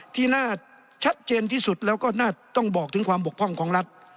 ที่น่าชัดเจนที่สุดแล้วก็น่าต้องบอกถึงความบกพร่องของรัฐ